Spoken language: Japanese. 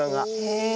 へえ。